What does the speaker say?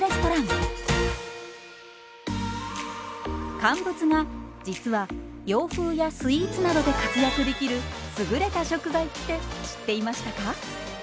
乾物が実は洋風やスイーツなどで活躍できる優れた食材って知っていましたか？